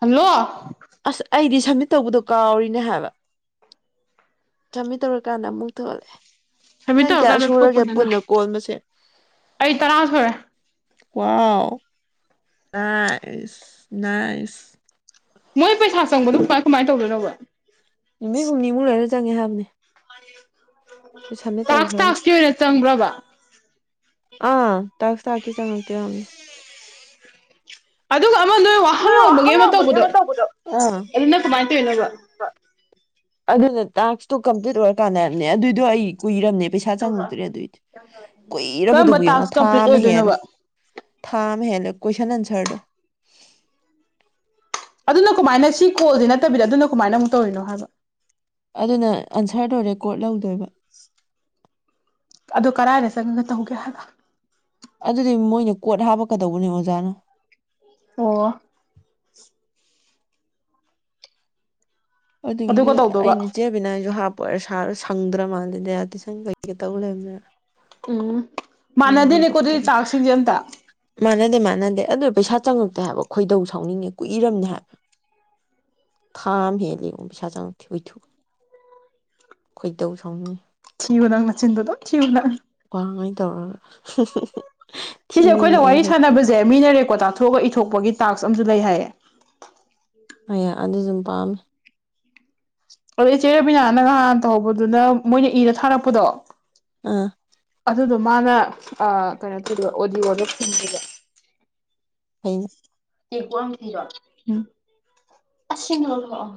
Hello ꯑꯁ ꯑꯩꯗꯤ ꯁꯝꯃꯤꯠ ꯇꯧꯕꯗꯣ ꯀꯥꯎꯔꯤꯅꯦ ꯍꯥꯏꯕ ꯁꯃꯤꯠ ꯇꯧꯔꯀꯥꯟꯗ ꯑꯃꯨꯛ ꯊꯣꯛꯑꯒꯦ ꯁꯕꯃꯤꯠ ꯅꯪ ꯀꯌꯥ ꯇꯧꯔꯀꯥꯟꯗ ꯁꯨꯔꯒꯦ ꯊꯣꯛꯄꯅꯤꯅ ꯄꯨꯟꯅ ꯀꯣꯜ ꯃꯁꯤꯡ ꯑꯩ ꯇꯔꯥ ꯁꯨꯔꯦ ꯋꯥꯎ ꯅꯥꯏꯁ ꯅꯥꯏꯁ ꯃꯣꯏ ꯄꯩꯁꯥ ꯆꯪꯕꯗꯨ ꯀꯃꯥꯏ ꯀꯃꯥꯏꯅ ꯇꯧꯗꯣꯏꯅꯣꯕ ꯅꯨꯃꯤꯠ ꯍꯨꯝꯅꯤꯃꯨꯛ ꯂꯩꯔ ꯆꯪꯉꯦ ꯍꯥꯏꯕꯅꯤ ꯇꯥꯛꯁ ꯇꯧꯈ꯭ꯔꯒ ꯇꯥꯛꯁꯀꯤ ꯑꯣꯏꯅ ꯆꯪꯕ꯭ꯔꯕ ꯑꯥ ꯇꯥꯛꯁ ꯇꯥꯛꯁꯀꯤ ꯆꯪꯉꯛꯇꯣꯏ ꯔꯝꯅꯤ ꯑꯗꯨꯒ ꯑꯃ ꯅꯣꯏ ꯋꯥꯍꯪ ꯍꯥꯡꯕꯒꯤ ꯑꯃ ꯇꯧꯕꯗꯣ ꯑꯗꯨꯅ ꯀꯃꯥꯏꯅ ꯇꯧꯏꯅꯣꯕ ꯑꯗꯨꯅ ꯇꯥꯛꯁꯇꯣ ꯀꯝꯄ꯭ꯂꯤꯠ ꯑꯣꯏꯔꯀꯥꯟꯗꯅꯦ ꯑꯗꯨꯏꯗꯣ ꯑꯩ ꯀꯨꯏꯔꯝꯅꯦ ꯄꯩꯁꯥ ꯆꯪꯉꯛꯇ꯭ꯔꯦ ꯑꯗꯨꯏꯗꯤ ꯀꯔꯝꯕ ꯀꯨꯏꯔꯕꯗꯨꯕꯨ ꯌꯦꯡꯉꯣ ꯇꯥꯛꯁ ꯊꯥ ꯀꯝꯄ꯭ꯂꯤꯠ ꯑꯃ ꯍꯦꯜꯂꯦ ꯑꯣꯏꯗꯣꯏꯅꯣꯕ ꯊꯥ ꯑꯃ ꯍꯦꯜꯂꯦ ꯀꯣꯏꯁꯟ ꯑꯟꯁꯔꯗꯣ ꯑꯗꯨꯅ ꯀꯃꯥꯏꯅ ꯁꯤ ꯀꯣꯜꯁꯤ ꯅꯠꯇꯕꯤꯗ ꯑꯗꯨꯅ ꯀꯃꯥꯏꯅ ꯑꯃꯨꯛ ꯇꯧꯔꯤꯅꯣ ꯍꯥꯏꯕ ꯑꯗꯨꯅ ꯑꯟꯁꯔꯗꫭ ꯔꯦꯀꫭꯠ ꯂꯧꯗꯣꯏꯕ ꯑꯗꯣ ꯀꯗꯥꯏꯗ ꯆꯪꯉꯒ ꯇꯧꯒꯦ ꯍꯥꯏꯕ ꯑꯗꯨꯗꯤ ꯃꯣꯏꯅ ꯀꯣꯠ ꯍꯥꯞꯄꯛꯀꯗꯧꯕꯅꯦ ꯑꯣꯖꯥꯅ ꯑꯣ ꯑꯗꯨꯒꯤꯗꯤ ꯑꯗꯨꯒ ꯇꯧꯗꯧꯕ ꯑꯩꯅ ꯏ ꯆꯦꯕꯤꯅꯁꯨ ꯍꯥꯞ ꯄꯔ ꯁꯥꯔ ꯁꯪꯗ꯭ꯔ ꯃꯥꯜꯂꯦꯗꯤ ꯇꯨꯏꯁꯟ ꯀꯩꯀꯩ ꯇꯧ ꯂꯩꯕꯅꯤꯅ ꯎꯝ ꯎꯝ ꯃꯥꯟꯅꯗꯦꯅꯦꯀꯣ ꯑꯗꯨꯗꯤ ꯍꯥꯄꯛꯇꯣꯔꯦ ꯇꯥꯛꯁꯤꯡꯁꯦ ꯑꯃꯇꯥ ꯃꯥꯟꯅꯗꯦ ꯃꯥꯟꯅꯗꯦ ꯑꯗꯨ ꯄꯩꯁꯥ ꯆꯪꯉꯛꯇꯦ ꯍꯥꯏꯕ ꯈꯣꯏꯗꯧ ꯁꯥꯎꯅꯤꯡꯉꯦ ꯀꯨꯏꯔꯝꯅꯦ ꯍꯥꯏꯕ ꯊꯥꯝ ꯍꯦꯂꯦ ꯑꯩ ꯄꯩꯁꯁꯨ ꯌꯉꯛꯇꯦ ꯈꯣꯏꯗꯧ ꯁꯥꯎꯅꯤꯡꯉꯤ ꯊꯤꯌꯨ ꯅꯪ ꯅꯌꯤꯟꯗꯨ ꯑꯗꯨꯝ ꯊꯤꯌꯨ ꯅꯪ ꯋꯥꯥꯡꯉ ꯇꯧꯔꯒ ꯁꯤꯁꯦ ꯑꯩꯈꯣꯏꯅ ꯊꯤꯅꯤꯡꯉꯛꯑꯦ ꯋꯥꯔꯤ ꯍꯦꯛ ꯁꯥꯟꯅꯕꯁꯦ ꯃꯤꯅꯔꯦꯀꯣ ꯇꯥꯊꯣꯛꯑꯒ ꯏꯊꯣꯛꯄꯒꯤ ꯇꯥꯛꯁ ꯑꯃꯁꯝꯨ ꯂꯩ ꯍꯥꯏꯌꯦ ꯍ ꯑꯗꯨ ꯑꯗꯨꯝ ꯄꯥꯝꯃꯦ ꯑꯗꯣ ꯏꯆꯦꯔꯕꯤꯅꯥꯅ ꯉꯍꯥꯟ ꯇꯧꯍꯧꯕꯗꯨꯅ ꯃꯣꯏꯅ ꯏꯔ ꯊꯥꯔꯛꯄꯗꯣ ꯑꯥ ꯑꯗꯨꯗꯣ ꯃꯥꯅ ꯀꯩꯅꯣ ꯇꯧꯗ ꯑꯣꯗꯤꯑꯣꯗ ꯐꯟꯁꯤꯗ [inaudible] ꯌꯦꯝꯕꯤꯔꯣ ꯎꯝ ꯑꯁꯤꯅꯣ ꯂꯥꯛꯑꯣ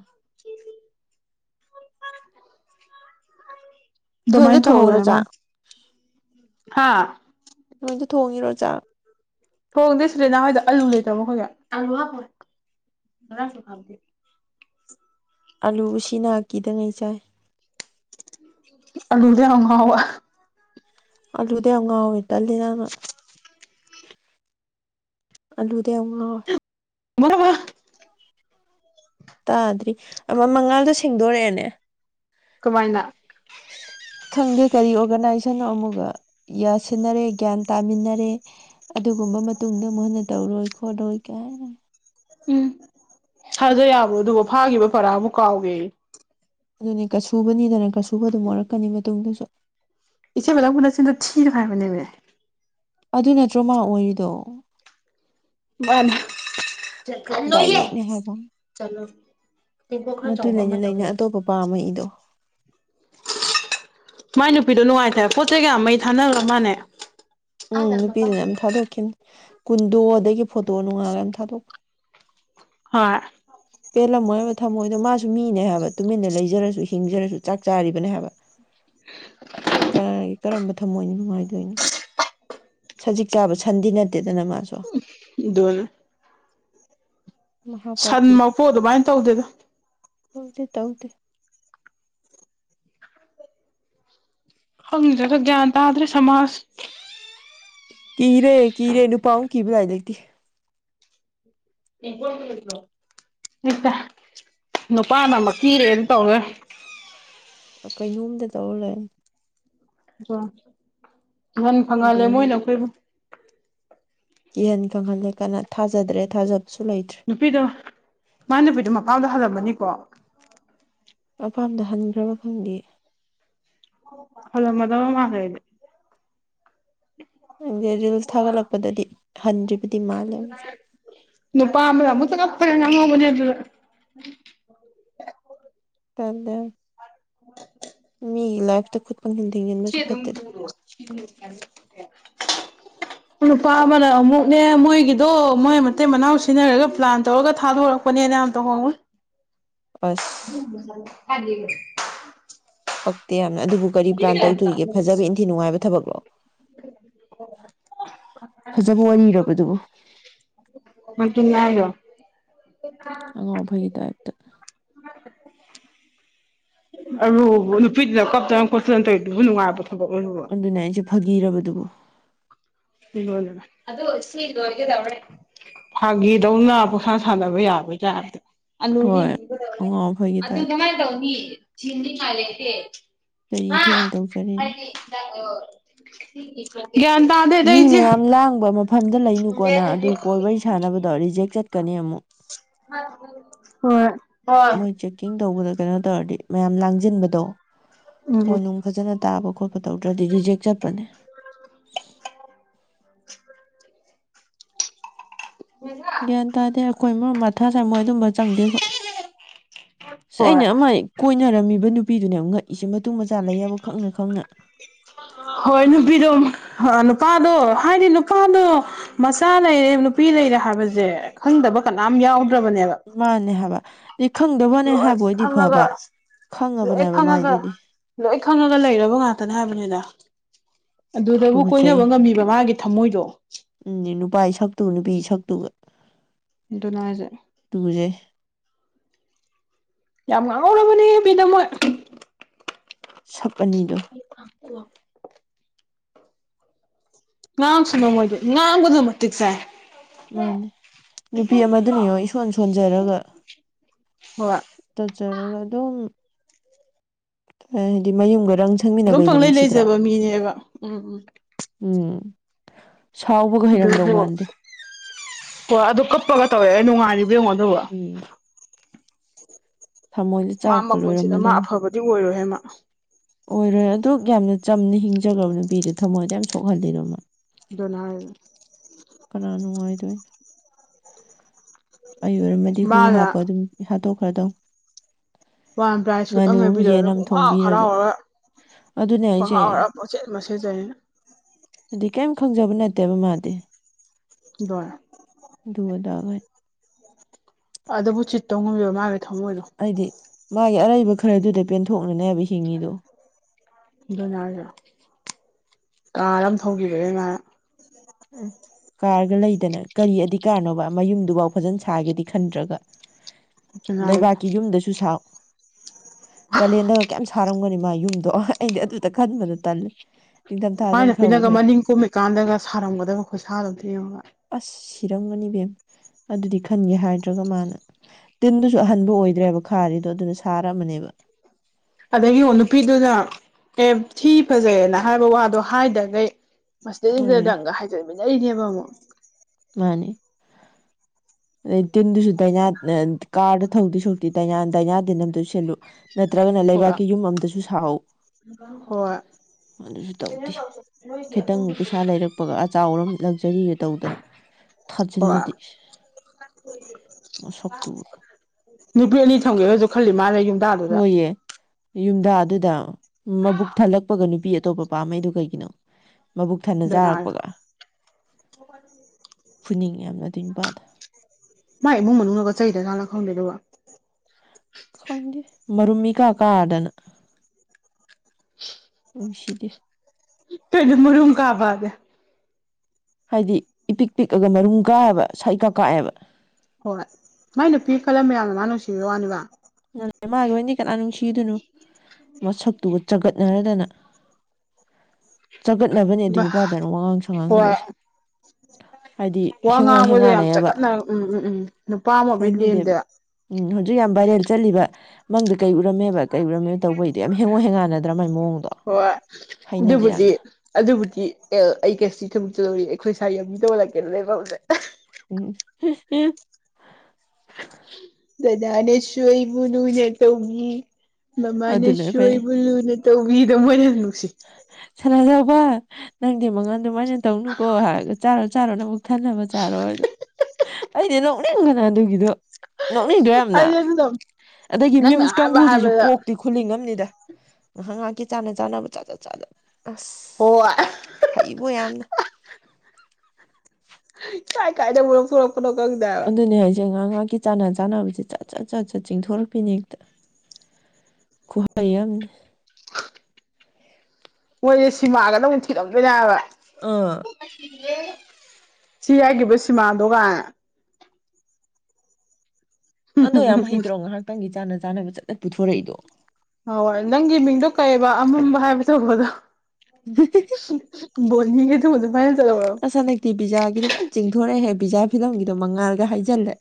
ꯑꯗꯨꯃꯥꯏ ꯅꯣꯏꯗ ꯊꯧꯍꯧꯋꯤ ꯊꯣꯡꯉꯤꯔꯣ ꯑꯃ ꯆꯥꯛ ꯍꯥ ꯅꯣꯏꯗ ꯊꯣꯡꯉꯤꯔꯣ ꯆꯥꯛ ꯊꯣꯡꯗꯦ ꯁꯤꯗꯅꯥ ꯍꯣꯏꯗ ꯑꯥꯂꯨ ꯂꯩꯇ꯭ꯔꯕꯣ ꯍꯧꯖꯤꯛ ꯑꯂꯨ ꯍꯥ ꯑꯥꯂꯨꯕꯨ ꯁꯤꯅ ꯀꯤꯗꯉꯩ ꯆꯥꯏ ꯑꯂꯨꯗ ꯌꯥꯝ ꯉꯥꯎꯕ ꯑꯂꯨꯗ ꯌꯥꯝ ꯉꯥꯎꯋꯤ ꯇꯜꯂꯦ ꯅꯪꯪꯪꯅ ꯑꯜꯂꯨꯗ ꯌꯥꯝ ꯉꯥꯎꯋꯤ [inaudible] ꯇꯥꯗ꯭ꯔꯤ ꯑꯃ ꯃꯉꯥꯜꯗꯣ ꯁꯦꯡꯗꯣꯔꯛꯑꯦꯅꯦ ꯀꯃꯥꯏꯅ ꯈꯪꯗꯦ ꯀꯔꯤ ꯑꯣꯔꯒꯅꯥꯏꯖꯦꯁꯟꯅꯣ ꯑꯃꯨꯒ ꯌꯥꯁꯤꯟꯅꯔꯦ ꯒ꯭ꯌꯥꯟ ꯇꯥꯃꯤꯟꯅꯔꯦ ꯑꯗꯨꯒꯨꯝꯕ ꯃꯇꯨꯡꯗ ꯃꯨꯣꯏꯟꯅ ꯇꯧꯔꯣꯏ ꯈꯣꯠꯂꯣꯏ ꯀꯥꯏꯅ ꯎꯝ ꯊꯥꯖ ꯌꯥꯕꯣ ꯑꯗꯨꯒ ꯐꯥꯈꯤꯕ ꯄꯔꯥꯕꯨ ꯑꯃꯨꯛ ꯀꯥꯎꯒꯦ ꯑꯗꯨꯅꯤ ꯀꯁꯨꯕꯅꯤꯗꯅ ꯀꯠꯁꯨꯕ ꯑꯗꯨꯝ ꯑꫭꯏꯔꯛꯀꯅꯤ ꯃꯇꯨꯡꯗꯁꯨ ꯏꯆꯦꯕꯂꯝꯒ ꯅꯪꯕꯨ ꯅꯆꯤꯟꯗꫭ ꯊꯤꯅꫭ ꯍꯥꯏꯕꯅꯦꯃꯤ ꯑꯗꯨ ꯅꯠꯇ꯭ꯔꯣ ꯃꯥ ꯑꯣꯏꯔꯤꯗꯣ ꯃꯥꯅꯤ ꯀꯟꯂꯣꯏꯌꯦ ꯗꯥꯏꯔꯦꯛꯅꯦ ꯍꯥꯏꯕ ꯆꯠꯂꯣ ꯇꯦꯡꯀꯣ ꯈꯔ ꯆꯥꯎꯕ ꯑꯃ ꯇꯧꯋꯣ ꯄꯥꯝꯝꯕꯩꯗꯣ ꯃꯥꯏ ꯅꯨꯄꯤꯗꯣ ꯅꯨꯡꯉꯥꯏꯇꯔꯦ ꯄꯣꯠ ꯆꯩꯦ ꯀꯌꯥꯝꯃꯩ ꯊꯥꯅꯈ꯭ꯔ ꯃꯥꯥꯟꯅꯦ ꯎꯝ ꯅꯨꯄꯤꯗꯨꯅ ꯑꯃꯝ ꯊꯥꯗꯣꯛꯈꯤꯕꯅꯤ ꯀꯨꯟꯗꯣ ꯑꯗꯒꯤ ꯐꯣꯇꯣ ꯅꯨꯡꯉꯥꯜꯂꯒ ꯑꯃꯝ ꯊꯥꯗꯣꯛꯄ ꯍꯣꯏ ꯄꯦꯜꯂꯝꯃꯣꯏ ꯍꯥꯏꯕ ꯊꯝꯃꯣꯏꯗꯣ ꯃꯥꯁꯨ ꯃꯤꯅꯦ ꯍꯥꯏꯕ ꯇꯨꯃꯤꯟꯅ ꯂꯩꯖꯔꯁꯨ ꯍꯤꯡꯖꯔꯁꯨ ꯆꯥꯛ ꯆꯥꯔꯤꯕꯅꯦ ꯍꯥꯏꯕ ꯀꯒꯤ ꯀꯔꯝꯕ ꯊꯝꯃꯣꯏꯅꯤ ꯅꯨꯡꯉꯥꯏꯗꯣꯏꯅꫭ ꯁꯖꯤꯛ ꯆꯥꯕ ꯁꯟꯗꯤ ꯅꯠꯇꯦꯗꯅ ꯃꯥꯁꯨ ꯗꯣꯟ ꯃꯍꯥ ꯁꯟ ꯄꯥꯄꯤ ꯃꯄꯨ ꯑꯗꯨꯃꯥꯏꯅ ꯇꯧꯗꯦꯗ ꯇꯧꯗꯦ ꯇꯧꯗꯦ ꯈꯪꯗꯔꯦꯗ ꯒ꯭ꯌꯥꯟ ꯇꯥꯗ꯭ꯔꯦ ꯁꯃꯥꯖ ꯀꯤꯔꯦ ꯀꯤꯔꯦ ꯅꯨꯄꯥ ꯑꯃꯨꯛ ꯀꯤꯕ ꯂꯥꯏ ꯂꯩꯇꯔꯦ ꯅꯨꯄꯥꯅ ꯃꯇꯤꯔꯦꯡ ꯇꯧꯔꯦ꯫ ꯀꯩꯅꯣꯝꯗ ꯇꯧꯔ ꯂꯩ꯫ ꯏꯍꯟ ꯐꯪꯍꯜꯂꯦ ꯏꯕꯦꯝꯃ ꯃꯣꯏꯅ ꯑꯩꯈꯣꯏꯕꯨ꯫ ꯀꯤꯍꯟ ꯈꯪꯍꯜꯂꯦ ꯀꯟꯅ ꯊꯥꯖꯗ꯭ꯔꯦ ꯊꯥꯖꯕꯁꯨ ꯂꯩꯇ꯭ꯔꯦ꯫ ꯅꯨꯄꯤꯗꯣ ꯃꯥꯏ ꯅꯨꯄꯤꯗꯣ ꯃꯄꯥꯗ ꯍꯜꯂꯝꯃꯅꯤꯀꯣ꯫ ꯃꯄꯥꯝꯗ ꯍꯟꯈ꯭ꯔꯕ ꯈꯪꯗꯦ꯫ ꯍꯜꯂꯝꯃꯗꯧꯕ ꯃꯥꯜꯂꯦ ꯑꯩꯗꯤ ꯫ ꯑꯗꯨ ꯔꯤꯜꯁ ꯊꯥꯒꯠꯂꯛꯄꯗꯗꯤ ꯍꯟꯗ꯭ꯔꯤꯕꯗꯤ ꯃꯥꯜꯂꯦ ꯑꯃꯨꯛꯁꯨ꯫ ꯅꯨꯄꯥ ꯑꯃꯅ ꯑꯃꯨꯛ ꯆꯥꯡꯉꯥꯄꯔꯅ ꯉꯥꯡꯉꯧꯕꯅꯦ ꯑꯗꯨ꯫ ꯇꯗꯦ꯫ ꯃꯤꯒꯤ ꯂꯥꯏꯐꯇ ꯈꯨꯠ ꯄꯪꯊꯤꯟ ꯊꯤꯡꯖꯤꯟꯕꯁꯨ ꯐꯠꯇꯦꯗ꯫ ꯅꯨꯄꯥ ꯑꯃꯅ ꯑꯃꯨꯛꯅꯦ ꯃꯣꯏꯒꯤ꯫ ꯑꯗꯣ ꯃꯣꯏ ꯃꯇꯩ ꯃꯅꯥꯎ ꯁꯤꯖꯤꯟꯅꯔꯒ ꯄ꯭ꯂꯥꯟ ꯇꯧꯔꯒ ꯊꯥꯗꯣꯔꯛꯄꯅꯦꯅ ꯌꯥꯝ ꯇꯧꯍꯧꯏ꯫ ꯑꯁ꯫ ꯍꯥꯏ [unintelligible] ꯄꯛꯇꯦ ꯌꯥꯝꯅ ꯑꯗꯨꯕꯨ ꯀꯔꯤ ꯄ꯭ꯂꯥꯟ ꯇꯧꯗꯣꯔꯤꯒꯦ ꯐꯖꯕ ꯏꯟꯊꯤ ꯅꯨꯡꯉꯥꯏꯕ ꯊꯕꯛꯂꯣ꯫ ꯐꯖꯕ ꯋꯥꯔꯤꯔꯕ ꯑꯗꯨꯕꯨ꯫ ꯀꯅ ꯍꯥꯏꯒꯣ [unintelligible] ꯑꯉꯥꯎ ꯑꯐꯩꯒꯤ ꯇꯥꯏꯞꯇ꯫ ꯑ꯫ ꯑꯗꯨ ꯅꯨꯄꯤꯗꯨꯅ ꯀꯞꯇꯅ ꯈꯣꯠꯠꯇꯅ ꯇꯧꯔꯤꯗꯨꯕꯨ ꯅꯨꯡꯉꯥꯏꯕ ꯊꯕꯛꯂꯣ ꯑꯗꯨꯕꯨ꯫ ꯑꯗꯨꯅ ꯑꯩꯁꯦ ꯐꯥꯒꯤꯔꯕꯗꯨꯕꯨ꯫ ꯑꯗꯨ ꯁꯤ ꯂꯣꯏꯒꯗꯧꯔꯦ꯫ ꯐꯥꯒꯤꯗꯧꯅ ꯄꯣꯁꯥ ꯁꯥꯟꯅꯕ ꯌꯥꯕ ꯇꯞꯥꯇ꯫ ꯑꯂꯨ ꯍꯣꯏ ꯑꯉꯥꯎ ꯑꯐꯩꯒꯤ ꯑꯗꯨ ꯇꯥꯏꯞꯇ ꯀꯃꯥꯏꯅ ꯇꯧꯅꯤ [unintelligible] ꯀꯔꯤ ꯊꯣꯛꯑꯦꯅ ꯇꯧꯖꯔꯤꯅꯣ꯫ ꯒ꯭ꯌꯥꯟ ꯇꯥꯗꯦ꯫ ꯃꯤ ꯃꯌꯥꯝ ꯂꯥꯡꯕ ꯃꯐꯝꯗ ꯂꯩꯅꯨꯀꯣꯅ ꯑꯗꯨ ꯀꯣꯜ ꯋꯥꯔꯤ ꯁꯥꯟꯅꯕꯗꯣ ꯔꯤꯖꯦꯛ ꯆꯠꯀꯅꯤ ꯑꯃꯨꯛ꯫ ꯍꯣꯏ꯫ ꯃꯣꯏ ꯆꯦꯛꯀꯤꯡ ꯇꯧꯕꯗ ꯀꯩꯅꯣ ꯇꯧꯔꯗꯤ ꯃꯌꯥꯝ ꯂꯥꯡꯖꯤꯟꯕꯗꯣ ꯎꯝ ꯐꯣꯟꯅꯨꯡ꯫ ꯐꯖꯅ ꯇꯥꯕ ꯈꯣꯠꯄ ꯇꯧꯗ꯭ꯔꯗꯤ ꯔꯤꯖꯦꯛ ꯆꯠꯄꯅꯦ꯫ [unintelligible] ꯒ꯭ꯌꯥꯟ ꯇꯥꯗꯦ ꯑꯩꯈꯣꯏ ꯃꯥ ꯃꯊꯥ ꯁꯥꯏ ꯃꯣꯏ ꯑꯗꯨꯝꯕ ꯆꯪꯗꯦ ꯑꯩꯈꯣꯏ꯫ ꯁꯦ ꯍꯣꯏ ꯑꯩꯅ ꯑꯃ ꯀꯣꯏꯅꯔꯝꯃꯤꯕ ꯅꯨꯄꯤꯗꯨꯅꯦ ꯌꯥꯝ ꯉꯛꯏꯁꯦ ꯃꯇꯨ ꯃꯆꯥ ꯂꯩꯑꯕ ꯈꯪꯅ ꯈꯪꯅ꯫ ꯍꯣꯏ ꯅꯨꯄꯤꯗꯣ ꯅꯨꯄꯥꯗꯣ ꯍꯥꯏꯗꯤ ꯅꯨꯄꯥꯗꯣ꯫ ꯃꯆꯥ ꯂꯩꯔꯦ ꯅꯨꯄꯤ ꯂꯩꯔꯦ ꯍꯥꯏꯕꯁꯦ ꯈꯪꯗꯕ ꯀꯅꯥꯝ ꯌꯥꯎꯗ꯭ꯔꯕꯅꯦꯕ꯫ ꯃꯥꯅꯦ ꯍꯥꯏꯕ ꯑ ꯈꯪꯗꯕꯅꯦ ꯂꯣꯏ ꯍꯥꯏꯕ ꯑꯣꯏꯗꯤ ꯈꯪꯉꯒ ꯐꯕ ꯂꯣꯏ ꯈꯪꯉꯕꯅꯦꯕ ꯈꯪꯉꯒ ꯃꯥꯏꯗꯨꯗꯤ꯫ ꯂꯣꯏ ꯈꯪꯉꯒ ꯂꯩꯔꯕ ꯉꯥꯛꯇꯅꯦ ꯍꯥꯏꯕꯅꯤꯗ ꯑꯗꯨꯗꯕꯨ ꯀꯣꯏꯅꯕ ꯇꯨꯒꯠꯆꯩ ꯉꯝꯃꯤꯕ꯫ [unintelligible] ꯒꯤ ꯊꯝꯃꯣꯏꯗꯣ꯫ ꯎꯝ ꯅꯨꯄꯥꯥꯏ ꯁꯛꯇꯨ ꯅꯨꯄꯤ ꯁꯛꯇꯨꯒ꯫ ꯑꯗꯨꯅꯦ ꯍꯥꯏꯁꯦ꯫ ꯇꯨꯖꯦ꯫ ꯌꯥꯝ ꯉꯥꯎꯔꯕꯅꯦꯕꯤꯗꯃꯣꯏ꯫ ꯁꯛ ꯑꯅꯤꯗꯣ꯫ ꯋꯥ꯫ ꯉꯥꯡꯁꯅꯨ ꯃꯣꯏꯗꯤ ꯉꯥꯡꯕꯗ ꯃꯇꯤꯛ ꯆꯥꯏ꯫ ꯃꯥꯅꯦ ꯅꯨꯄꯤ ꯑꯃꯗꯨꯅ ꯌꯦꯉꯣ ꯏꯁꯣꯟ ꯁꯣꯟꯖꯔꯒ꯫ ꯍꯣꯏ꯫ ꯇꯧꯆꯔꯒ ꯑꯗꯨꯝ꯫ ꯍꯥꯏꯗꯤ ꯃꯌꯨꯝꯒ ꯔꯪ ꯑꯗꯨꯝ ꯁꯪꯃꯤꯟꯅꯕꯩꯗꯣ ꯄꯪꯂꯩ ꯅꯨꯡꯁꯤꯗ꯭ꯔꯥ꯫ ꯂꯩꯖꯕ ꯃꯤꯅꯦꯕ ꯎꯝ ꯎꯝ ꯎꯝ ꯁꯥꯎꯕꯒ ꯍꯩꯔꯝꯗꯧ ꯑꯗꯨꯕꯨ ꯃꯥꯟꯗꯦ ꯀꯣ ꯑꯗꯨ ꯀꯞꯄꯒ ꯇꯧꯔꯛꯑꯦ ꯅꯨꯡꯉꯥꯏꯔꯤꯕ ꯌꯦꯡꯉꯣ ꯑꯗꯨꯕꯣ ꯎꯝ ꯊꯃꯣꯏꯗ ꯃꯥ ꯆꯥꯛꯄ ꯃꯄꯨꯟꯁꯤꯗ ꯃꯥ ꯂꯣꯏꯔꯝꯃꯗꯧ ꯑꯐꯕꯗꯤ ꯑꯣꯏꯔꯣꯏꯍꯦ ꯃꯥ ꯑꯣꯏꯔꯣꯏ ꯑꯗꯨꯛ ꯌꯥꯝꯅ ꯆꯝꯅ ꯍꯤꯡꯖꯒ꯭ꯔꯕ ꯅꯨꯄꯤꯗꯣ ꯊꯝꯃꯣꯏ ꯑꯗꯨꯌꯥꯝ ꯁꯣꯛꯍꯜꯂꯤꯗꯣ ꯃꯥ ꯑꯗꯨꯅꯦ ꯍꯥꯏꯖꯦ ꯀꯅꯥ ꯅꯨꯡꯉꯥꯏꯗꯣꯏꯅꯣ ꯑꯩ ꯑꯣꯏꯔꯝꯃꯗꯤ ꯍꯨ ꯃꯥꯅ ꯍꯥꯞꯄ ꯑꯗꯨꯝ ꯍꯥꯠꯇꯣꯛꯈ꯭ꯔꯗꯧꯅꯦ ꯋꯥꯟ ꯄ꯭ꯂꯥꯏ ꯁꯨꯠ ꯉꯥꯅꯨ ꯑꯃ ꯂꯩꯕꯤꯗꯕꯗ ꯌꯦꯟ ꯑꯃ ꯄꯨꯡꯍꯥꯎ ꯊꯣꯡꯕꯤꯔꯒ ꯍꯔꯥꯎꯔꯒ ꯑꯗꯨꯅꯦ ꯍꯥꯏꯁꯦ ꯄꯪꯍꯥꯎ ꯍꯔꯥꯎ ꯄꯪꯁꯦꯠ ꯑꯃ ꯁꯦꯠꯆꯩꯅ ꯍꯥꯏꯗꯤ ꯀꯦꯝ ꯈꯪꯖꯕ ꯅꯠꯇꯦꯕ ꯃꯥꯗꯤ [unintelligible] ꯑꯗꯨ ꯑꯗꯥ ꯑꯗꯕꯨ ꯆꯤꯠꯇ ꯇꯧ ꯉꯝꯃꯤꯕ ꯃꯥꯒꯤ ꯊꯝꯃꯣꯏꯗꯣ ꯍꯥꯏꯗꯤ ꯃꯥꯒꯤ ꯑꯔꯩꯕ ꯈꯔꯗꯨꯗ ꯄꯦꯟꯊꯣꯛꯅꯅꯦ ꯍꯤꯡꯉꯤꯗꯣ ꯑꯗꯨꯅꯦ ꯍꯥꯏꯖꯦ ꯀꯥꯔ ꯑꯃ ꯊꯧꯒꯤꯕꯒꯤ ꯃꯥꯅ ꯎꯝ ꯀꯥꯔꯒ ꯂꯩꯗꯅ ꯀꯔꯤ ꯑꯗꯤꯀꯥꯔꯅꯣꯕ ꯃꯌꯨꯝꯗꯨꯐꯥꯎ ꯐꯖꯅ ꯁꯥꯒꯦꯗꯤ ꯈꯟꯗ꯭ꯔꯒ ꯑꯗꯨꯅ ꯍꯥꯏꯁꯦ ꯂꯩꯕꯥꯛꯀꯤ ꯌꯨꯝꯗꯁꯨ ꯁꯥꯥꯎ ꯀꯥꯂꯦꯟꯗꯒ ꯀꯌꯥꯝ ꯁꯥꯔꯝꯒꯅꯤ ꯃꯥꯏ ꯌꯨꯝꯗꯣ ꯑꯩꯗꯤ ꯑꯗꯨꯗ ꯈꯟꯕꯗ ꯇꯜꯂꯦ ꯃꯥꯏ ꯅꯤꯡꯊꯝꯊꯥꯗꯅ ꯈꯔꯕꯨ ꯅꯨꯄꯤꯅꯒ ꯐꯩ ꯃꯅꯤꯡ ꯀꯨꯝꯃꯤꯀꯥꯟꯗꯒ ꯁꯥꯔꯝꯒꯗꯕ ꯈꯨꯁꯥꯗꯣ ꯑꯝꯇ ꯌꯦꯡꯉꯣꯕ ꯑꯁ ꯁꯤꯔꯝꯒꯅꯤ ꯕꯦꯝꯃ ꯑꯗꯨꯗꯤ ꯈꯟꯒꯦ ꯍꯥꯏꯗ꯭ꯔꯒ ꯃꯥꯅ ꯇꯤꯟꯗꯨꯁꯨ ꯑꯍꯟꯕ ꯑꯣꯏꯗ꯭ꯔꯦꯕ ꯈꯥꯔꯤꯗꯣ ꯑꯗꯨꯅ ꯁꯥꯔꯝꯃꯅꯦꯕ ꯑꯗꯩ ꯌꯦꯡꯉꯣ ꯅꯨꯄꯤꯗꯨꯅ ꯑꯦ ꯊꯤ ꯐꯖꯩꯅ ꯍꯥꯏꯕ ꯋꯥꯗꯣ ꯍꯥꯏꯗꯒꯩ ꯃꯥꯅꯦ ꯃꯁꯤꯗꯩꯁꯤꯗꯗꯪꯒ ꯔꯪꯒ ꯍꯥꯏꯖꯟꯃꯤꯟꯅꯔꯤꯅꯦꯕ ꯑꯃꯨꯛ ꯃꯥꯅꯦ ꯑꯗꯩ ꯇꯤꯟꯗꯨꯁꯨ ꯗꯥꯏꯅꯥ ꯀꯥꯔꯗ ꯊꯧꯗꯣꯏ ꯁꯔꯨꯛꯇꯤ ꯗꯥꯏꯅꯥ ꯗꯟꯑꯝꯇꯁꯨ ꯁꯤꯜꯂꯨ ꯅꯠꯇ꯭ꯔꯒꯅ ꯍꯣꯏ ꯂꯩꯕꯥꯛꯀꯤ ꯌꯨꯝ ꯑꯝꯗꯁꯨ ꯁꯥꯍꯧ ꯍꯣꯏ ꯑꯗꯨꯁꯨ ꯇꯧꯗꯦ ꯈꯤꯇꯪ ꯄꯩꯁꯥ ꯂꯩꯔꯛꯄꯒ ꯑꯆꯥꯎꯔ ꯑꯔꯪ ꯂꯛꯖꯔꯤꯒ ꯇꯧꯗꯅ ꯍꯣꯏ ꯊꯥꯖꯤꯜꯂꯗꯤ ꯃꯁꯛꯇꯨ ꯅꯨꯄꯤ ꯑꯅꯤ ꯊꯝꯒꯦꯒꯁꯨ ꯈꯜꯂꯤ ꯃꯥꯂꯦ ꯌꯨꯝꯗ ꯍꯣꯏ ꯌꯦ ꯌꯨꯝꯗꯗꯨꯗ ꯃꯕꯨꯛ ꯊꯜꯂꯛꯄꯒ ꯅꯨꯄꯤ ꯑꯇꯣꯞꯄ ꯄꯥꯝꯃꯛꯏꯗꯣ ꯀꯩꯒꯤꯅꯣ ꯃꯕꯨꯛ ꯊꯟꯅ ꯗꯅꯥ ꯆꯥꯔꯛꯄꯒ [inaudible] ꯐꯨꯅꯤꯡꯉꯤ ꯌꯥꯝꯅ ꯑꯗꯨꯏ ꯅꯨꯄꯥꯗ ꯃꯥꯥꯏ ꯏꯃꯨꯡ ꯃꯅꯨꯡꯒ ꯆꯩꯗ ꯆꯥꯥꯠꯂ ꯈꯪꯗꯦ ꯑꯗꯨꯕꯣ ꯈꯪꯗꯦ ꯃꯔꯨꯝ ꯏꯀꯥ ꯀꯥꯔꯗꯅ ꯅꯨꯡꯁꯤꯗꯦ ꯀꯩꯅꯣ ꯃꯔꯨꯨꯝ ꯀꯥꯕꯥꯗꯤ ꯍꯥꯏꯗꯤ ꯏꯄꯤꯛ ꯄꯤꯛꯑꯒ ꯃꯔꯨꯝ ꯀꯥꯑꯦꯕ ꯁꯛ ꯏꯀꯥꯛ ꯀꯥꯛꯑꯦꯕ ꯍꯣꯏ ꯃꯥꯏ ꯅꯨꯄꯤ ꯈꯜꯂ ꯃꯌꯥꯝꯅ ꯃꯥ ꯅꯨꯡꯁꯤꯕ ꯋꯥꯅꯤꯕ ꯅ ꯃꯥꯒꯤ ꯑꯣꯏꯅꯤ ꯀꯅꯥ ꯅꯨꯡꯁꯤꯗꯣꯏꯅꯣ ꯃꯁꯛꯇꯨꯒ ꯆꯒꯠꯅꯔꯗꯅ ꯆꯒꯠꯅꯕꯅꯦ ꯑꯗꯨꯏ ꯅꯨꯄꯥ ꯗꯥꯏꯂꯣꯛ ꯋꯥꯉꯥꯡ ꯍꯣꯏ ꯁꯉꯥꯡꯗꯒꯁꯦ ꯍꯥꯏꯗꯤ ꯋꯥ ꯍꯦꯡꯉꯣ ꯉꯥꯡꯕꯗ ꯌꯥꯝ ꯍꯦꯡꯉꯥꯟꯅꯩꯑꯕ ꯆꯒꯠꯅꯔꯒ ꯎꯝ ꯎꯝ ꯎꯝ ꯅꯨꯄꯥ ꯑꯃ ꯑꯣꯏꯕꯩ ꯍꯩꯅꯗꯦꯕ ꯂꯦꯝꯗꯦ ꯎꯝ ꯍꯧꯖꯤꯛ ꯌꯥꯝ ꯚꯥꯏꯔꯦꯜ ꯆꯠꯂꯤꯕ ꯃꯪꯗ ꯀꯩ ꯎꯔꯝꯃꯦꯕ ꯀꯩ ꯎꯔꯝꯃꯦꯕ ꯇꯧꯕꯩꯗꯣ ꯌꯥꯝ ꯍꯦꯡꯉꯣ ꯍꯦꯡꯉꯥꯟꯅꯗ꯭ꯔꯥ ꯃꯥꯏ ꯃꯑꯣꯡꯗꯣ ꯍꯣꯏ ꯍꯩꯅꯗꯦ ꯑꯗꯨꯕꯨꯗꯤ ꯌꯥꯝꯅ ꯑꯗꯨꯕꯨꯗꯤ ꯑꯦ ꯑꯩ ꯀꯦꯁꯤ ꯊꯕꯛ ꯇꯧꯔꯤ ꯑꯩꯈꯣꯏ ꯁꯥꯏ [unintelligible] ꯎꯝ ꯗꯗꯥꯅꯦꯁꯨ ꯑꯩꯕꯨ ꯂꯨꯅ ꯇꯧꯕꯤ ꯑꯗꯨꯅ ꯃꯃꯥꯅꯁꯨ ꯐꯩ ꯑꯩꯕꯨ ꯂꯨꯅ ꯇ ꯃꯤꯗ ꯃꯔꯤ ꯅꯨꯡꯁꯤ꯫ ꯁꯥꯅꯥꯖꯥꯎꯕ ꯅꯪꯗꯤ ꯃꯉꯟ ꯑꯗꯨꯃꯥꯏꯅ ꯇꯧꯅꯨꯀꯣ ꯍꯥꯏꯔ ꯆꯥꯔꯣ ꯆꯥꯔꯣ ꯅ ꯑꯃꯨꯛ ꯈꯟꯅꯕ ꯆꯥꯔꯣꯏꯗꯣ ꯑꯩꯗꯤ ꯅꯣꯛꯅꯤꯡꯒꯅ ꯑꯗꯨꯒꯤꯗꯣ ꯅꯣꯛꯅꯤꯡꯗ꯭ꯔ ꯌꯥꯝꯅ ꯑꯩ ꯑꯗꯨꯗꯣ ꯑꯗꯒꯤ ꯅꯪꯅ ꯃꯤꯝꯁ ꯑꯍꯥꯟꯕ ꯀꯥꯡꯕꯨꯨꯁꯤꯁꯨ ꯍꯥꯏꯕꯗ ꯀꯣꯛꯇꯤ꯫ ꯈꯨꯨꯜꯂꯤꯡꯉꯅꯤꯗ ꯉꯥꯏꯍꯥꯛ ꯉꯥꯏꯍꯥꯛꯀꯤ ꯆꯥꯟꯅ ꯆꯥꯅꯕ ꯆꯥꯖ ꯆꯥꯖ ꯑꯁ ꯍꯣ ꯐꯩꯕꯣ ꯌꯥꯝꯅ ꯀꯥꯏ ꯀꯥꯏꯗꯕꯨꯔꯄꯥꯅꯣ ꯀꯨꯪꯗꯦ ꯍꯥꯏꯕꯥ ꯑꯗꯨꯅꯦ ꯍꯥꯏꯁꯦ ꯉꯥꯏꯍꯥꯛ ꯉꯍꯥꯛ ꯆꯥꯟꯅ ꯆꯥꯅꯕꯁꯦ ꯆꯠ ꯆꯠ ꯆꯠ ꯆꯠ ꯆꯤꯡꯊꯣꯔꯛꯄꯤꯅꯦ ꯍꯦꯛꯇ ꯀꯨꯍꯑꯩ ꯑꯃꯅꯤ꯫ ꯃꯣꯏꯁꯦ ꯁꯤꯃꯥꯒ ꯅ ꯑꯃꯛ ꯊꯤꯛꯂꯝꯗꯣꯏꯅꯦꯕ ꯑꯥ ꯁꯤ ꯍꯥꯏꯈꯤꯕ ꯁꯤꯃꯥ ꯗꯣ ꯀꯥꯏꯅ꯫ ꯑꯗꯣ ꯌꯥꯝ ꯍꯩꯇ꯭ꯔꯣ ꯉꯥꯏꯍꯥꯛꯇꯪꯒꯤ ꯆꯥꯅ ꯆꯥꯅꯕ ꯆꯠꯅ ꯄꯨꯊꯣꯔꯛꯏꯗꯣ ꯍ ꯍꯣꯏ ꯅꯪꯒꯤ ꯃꯤꯡꯗꯣ ꯀꯩꯕ ꯑꯃꯝꯕ ꯍꯥꯏꯕ ꯇꯧꯕꯗꯣ [unintelligible] [unintelligible] ꯗꯤ ꯄꯤꯖꯥꯒꯤꯗꯣ ꯐꯅ ꯆꯤꯡꯊꯣꯔꯛꯑꯦ ꯄꯤꯖꯥ ꯐꯤꯂꯝꯒꯤꯗꯣ ꯃꯉꯥꯜꯒ ꯍꯥꯏꯖꯜꯂꯦ꯫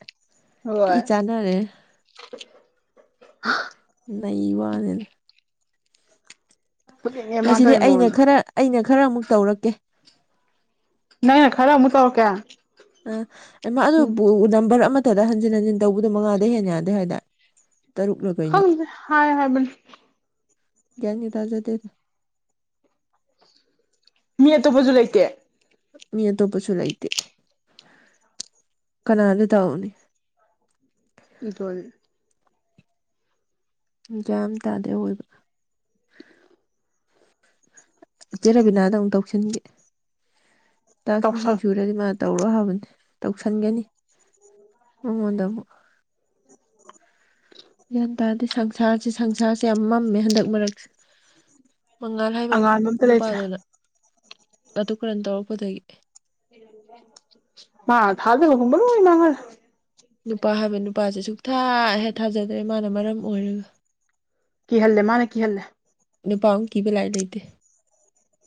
ꯊꯦ ꯍꯣꯏ ꯆꯥꯟꯅꯔꯦ ꯅꯏꯋꯥꯅꯦ꯫ ꯐꯨꯅꯤꯡꯉꯦ ꯃꯥꯅ ꯉꯁꯤꯗꯤ ꯇꯧꯔꯤ ꯑꯩꯅ ꯃꯑꯣꯡꯗꯣ ꯈꯔ ꯑꯩꯅ ꯈꯔ ꯑꯃꯨꯛ ꯇꯧꯔꯛꯀꯦ꯫ ꯅꯪꯅ ꯈꯔꯥ ꯑꯃꯨꯛ ꯇꯔꯛꯀꯦ ꯫ ꯑ ꯏꯃ ꯑꯗꯨꯕꯨ ꯅꯝꯕꯔ ꯑꯃꯇꯗ ꯍꯟꯖꯤꯟ ꯍꯟꯖꯤꯟ ꯇꯧꯕꯗꯣ ꯃꯉꯥꯗ ꯍꯦꯟꯟꯅ ꯌꯥꯗꯦ ꯍꯥꯏꯗ ꯇꯔꯨꯛꯂꯒꯩꯅꯣ ꯈꯪꯗꯦ ꯍꯥꯏ ꯍꯥꯏꯕꯅꯤ ꯒ꯭ꯌꯥꯅꯤ ꯇꯥꯖꯗꯦꯗ ꯃꯤ ꯑꯇꯣꯞꯄꯁꯨ ꯂꯩꯇꯦ꯫ ꯃꯤ ꯑꯇꯣꯞꯄꯁꯨ ꯂꯩꯇꯦ ꯀꯅꯥꯗ ꯇꯥꯛꯑꯣꯅꯦ꯫ ꯎ ꯇꯣꯏꯦ꯫ ꯌꯥꯝ ꯇꯥꯗꯦ ꯑꯣꯏꯕ ꯆꯦꯔꯕꯤꯅꯥꯗ ꯑꯃꯨꯛ ꯇꯧꯁꯤꯟꯒꯦ ꯇꯥꯛꯁ ꯃꯁꯤꯡ ꯇꯧꯁꯜ ꯁꯨꯔꯗꯤ ꯃꯥ ꯇꯧꯔꯛ ꯍꯥꯏꯕꯅꯤ ꯇꯧꯁꯟꯒꯅꯤ ꯃꯉꯣꯟꯗ ꯑꯃꯨꯛ ꯒ꯭ꯌꯥꯟ ꯇꯥꯔꯗꯤ ꯁꯪꯁꯥꯔꯁꯦ ꯁꯪꯁꯥꯔꯁꯦ ꯌꯥꯝ ꯃꯝꯃꯦ ꯍꯟꯗꯛ ꯃꯔꯛꯁꯦ ꯃꯉꯥꯜ ꯍꯥꯏꯕ ꯑꯉꯥꯟꯕ ꯑꯝꯇ ꯂꯩꯇ꯭ꯔꯦ ꯅꯨꯄꯥꯗꯨꯅ ꯑꯗꯨ ꯀꯔꯝ ꯇꯧꯔꯛꯄꯗꯒꯤ ꯃꯥ ꯊꯥꯖꯕ ꯃꯪꯍꯜꯂꯦ꯫ ꯅꯨꯄꯥ ꯍꯥꯏꯕ ꯅꯨꯄꯥꯁꯦ ꯁꯨꯛꯊꯥ ꯍꯦꯛ ꯊꯥꯖꯗ꯭ꯔꯦ ꯃꯥꯅ ꯃꯔꯝ ꯑꯣꯏꯔꯒ ꯀꯤꯍꯜꯂꯦ ꯃꯥꯅꯦ ꯀꯤꯍꯜꯂꯦ ꯅꯨꯄꯥꯃꯨ ꯀꯤꯕ ꯂꯥꯏꯔꯤ ꯂꯩꯇꯦ꯫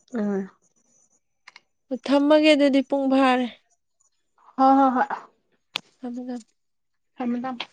[unintelligible] ꯑꯣ ꯊꯝꯃꯒꯦ ꯑꯗꯨꯗꯤ ꯄꯨꯡ ꯐꯥꯔꯦ꯫ ꯍꯣꯍꯣ ꯊꯥꯃꯣ ꯊꯥꯃꯣ ꯊꯥꯃꯣ ꯊꯥꯃꯣ